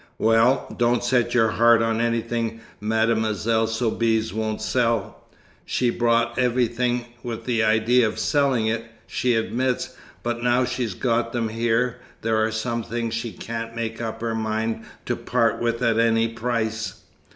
"Well, don't set your heart on anything Mademoiselle Soubise won't sell. She bought everything with the idea of selling it, she admits, but now she's got them here, there are some things she can't make up her mind to part with at any price."